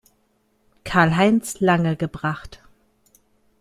Karlheinz Lange gebracht.